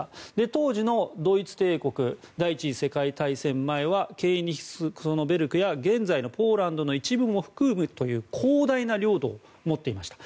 当時のドイツ帝国第１次世界大戦前はケーニヒスベルクや現在のポーランドの一部も含むという広大な領土を持っていました。